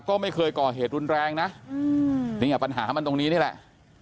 ก็ไม่เคยก่อเหตุรุนแรงนะเนี่ยปัญหามันตรงนี้นี่แหละ